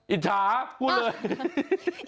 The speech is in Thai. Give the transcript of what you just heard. อิจฉาพูดเลย